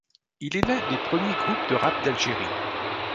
Il est l'un des premiers groupes de rap d'Algérie.